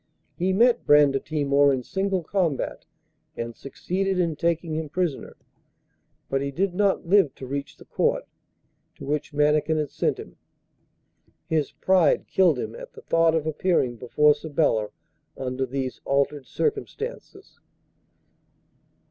He met Brandatimor in single combat, and succeeded in taking him prisoner; but he did not live to reach the Court, to which Mannikin had sent him: his pride killed him at the thought of appearing before Sabella under these altered circumstances.